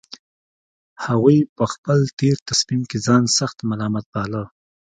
هغوی په خپل تېر تصميم کې ځان سخت ملامت باله